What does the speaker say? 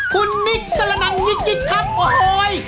คุณนิกสรนังนิกครับโอ้โฮย